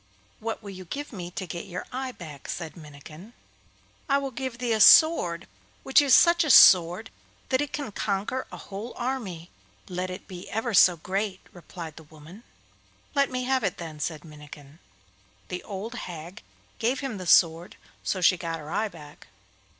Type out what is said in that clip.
'What will you give me to get your eye back?' said Minnikin. 'I will give thee a sword which is such a sword that it can conquer a whole army, let it be ever so great,' replied the woman. 'Let me have it, then,' said Minnikin. The old hag gave him the sword, so she got her eye back.